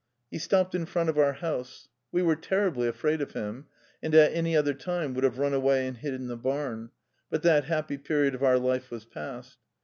He stopped in front of our house. We were terribly afraid of him, and at any other time would have run away and hid in the barn, but that happy period of our life was past.